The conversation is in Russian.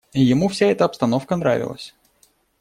Ему вся эта обстановка нравилась.